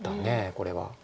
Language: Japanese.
これは。